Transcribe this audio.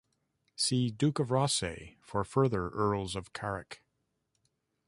See Duke of Rothesay for further Earls of Carrick.